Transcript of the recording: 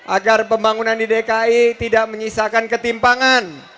agar pembangunan di dki tidak menyisakan ketimpangan